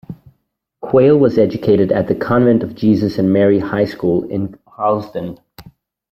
Quayle was educated at the Convent of Jesus and Mary High School in Harlesden.